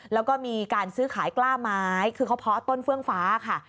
แล้วก็มีการซื้อขายกล้าไม้คือเขาเพาะต้นเฟื่องฟ้าค่ะ